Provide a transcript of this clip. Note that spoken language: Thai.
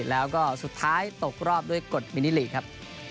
แล้วก็สุดท้ายตกรอบด้วยกฎมินิลีกครับ